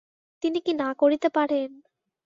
তিনি কি না করিতে পারেন?